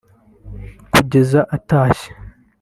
kugeza atashye